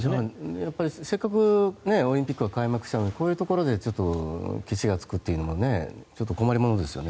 やっぱりせっかくオリンピックが開幕したのにこういうところでけちがつくというのも困りものですよね。